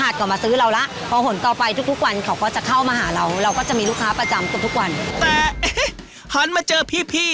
แต่หันมาเจอพี่